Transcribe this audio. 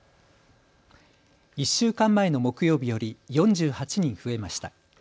１週間前の木曜日より４８人増えました。